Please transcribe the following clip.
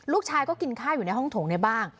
ลูกชายก็กินข้าวอยู่ในห้องโถงในบ้าน